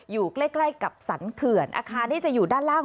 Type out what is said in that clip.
อยู่ใกล้กับสรรเขื่อนอาคารที่จะอยู่ด้านล่าง